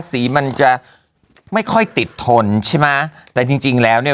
สีมันจะไม่ค่อยติดทนใช่ไหมแต่จริงจริงแล้วเนี่ย